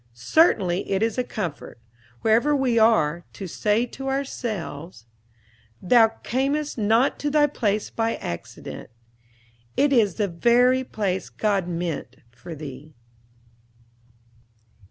Certainly, it is a comfort, wherever we are, to say to ourselves: "Thou camest not to thy place by accident, It is the very place God meant for thee."